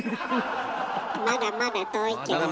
まだまだ遠いけどね。